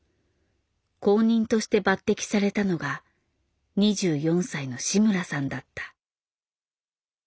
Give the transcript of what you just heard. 後任として抜擢されたのが２４歳の志村さんだった。